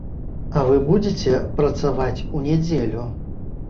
А вы будзеце працаваць у нядзелю?